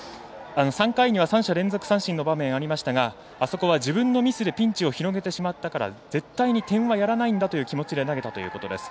３回には３者連続三振の場面がありましたが自分のミスでピンチを広げてしまったから絶対に点はやらないんだという気持ちで投げたということです。